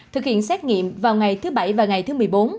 thực hiện xét nghiệm vào ngày thứ bảy và ngày thứ một mươi bốn